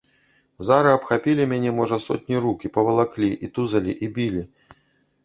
Зара абхапілі мяне, можа, сотні рук, і павалаклі, і тузалі, і білі.